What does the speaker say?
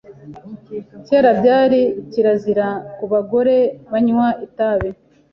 Kera byari kirazira kubagore banywa itabi.